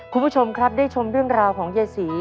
คุณผู้ชมครับได้ชมเรื่องราวของยายศรี